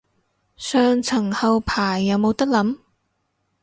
上層後排有冇得諗